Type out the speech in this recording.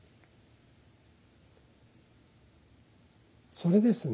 それですね。